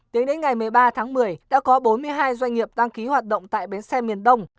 tính đến ngày một mươi ba tháng một mươi đã có bốn mươi hai doanh nghiệp đăng ký hoạt động tại bến xe miền đông